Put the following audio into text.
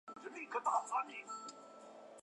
马录为正德三年戊辰科三甲进士。